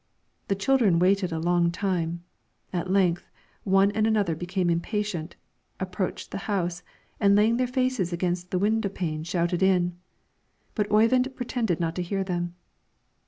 The children waited a long time; at length, one and another became impatient, approached the house, and laying their faces against the window pane shouted in; but Oyvind pretended not to hear them.